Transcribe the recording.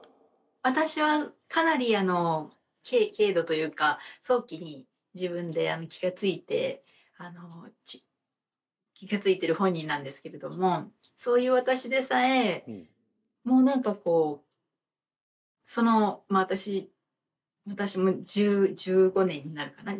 私はかなり軽度というか早期に自分で気が付いて気が付いている本人なんですけれどもそういう私でさえもう何かこうその私も１５年になるかな。